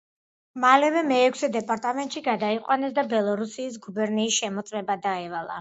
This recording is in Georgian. მალევე მეექვსე დეპარტამენტში გადაიყვანეს და ბელორუსიის გუბერნიის შემოწმება დაევალა.